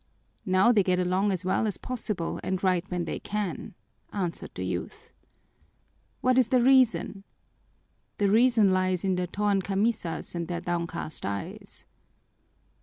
"Now they get along as well as possible and write when they can," answered the youth. "What is the reason?" "The reason lies in their torn camisas and their downcast eyes."